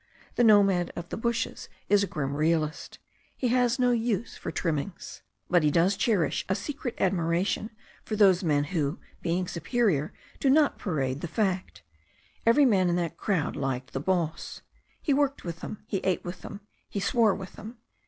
The nomad of the bushes is a grim realist. He has no use for the trimmings. But he does cherish a secret admiration for those men who, being superior, do not parade the fact. Every man in that crowd liked the boss. He worked with them. He ate with them. He swore with them.